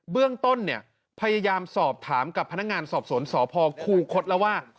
เรื่องต้นเนี่ยพยายามสอบถามกับพนักงานสอบสวนสพคูคศแล้วว่า